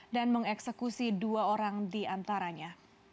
dan mengeksekusi dua orang di antaranya